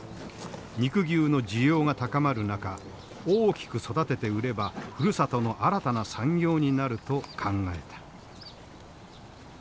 肉牛の需要が高まる中大きく育てて売ればふるさとの新たな産業になると考えた。